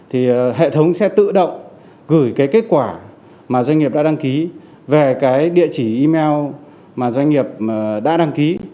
hệ thống sẽ tự động gửi kết quả doanh nghiệp đã đăng ký về địa chỉ email doanh nghiệp đã đăng ký